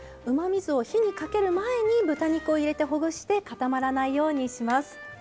うまみ酢を火にかける前に豚肉を入れてほぐして固まらないようにします。